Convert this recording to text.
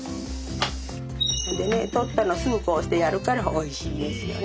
ほいでねとったのすぐこうしてやるからおいしいですよね。